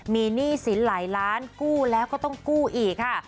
มีหนี้สินหลายล้านกู้แล้วก็ต้องกู้อีกค่ะ